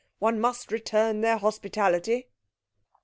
One must return their hospitality.'